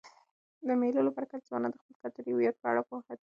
د مېلو له برکته ځوانان د خپل کلتوري هویت په اړه پوهه ترلاسه کوي.